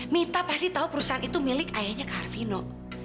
mita pasti tahu perusahaan itu milik ayahnya kak arvino